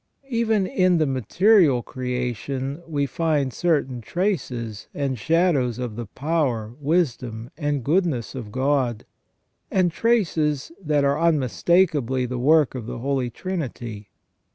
Even in the material creation we find certain traces and shadows of the power, wisdom, and goodness of God, and traces that are unmistakably the work of the Holy Trinity.